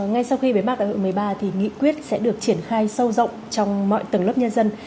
ngay sau khi bế mạc đại hội một mươi ba thì nghị quyết sẽ được triển khai sâu rộng trong mọi tầng lớp nhân dân